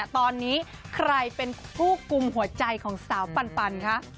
ตอนนี้ใครเป็นคู่กลุ่มหัวใจของสาวปันคะ